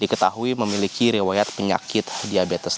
diketahui memiliki rewayat penyakit stroke